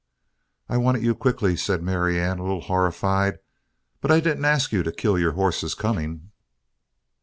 "I wanted you quickly," said Marianne, a little horrified. "But I didn't ask you to kill your horses coming."